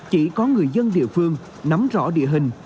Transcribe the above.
chỉ có người dân địa phương nắm rõ địa hình